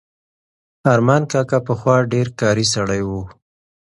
ارمان کاکا پخوا ډېر کاري سړی و.